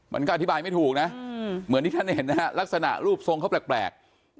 มันก็อธิบายไม่ถูกนะเหมือนที่ท่านเห็นนะฮะลักษณะรูปทรงเขาแปลก